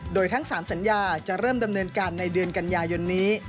โดยทั้ง๓สัญญาจะเริ่มดำเนินการในเดือนกันยายนนี้